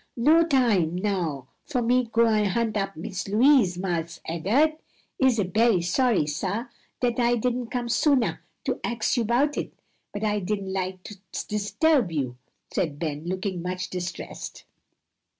"No time now fo' me to go an' hunt up Miss Louise, Marse Ed'ard? Ise berry sorry, sah, dat I didn't come soonah to ax you 'bout it, but I didn't like to 'sturb you," said Ben, looking much distressed.